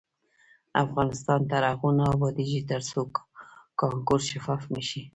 افغانستان تر هغو نه ابادیږي، ترڅو کانکور شفاف نشي.